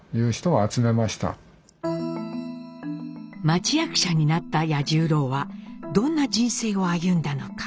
町役者になった八十郎はどんな人生を歩んだのか？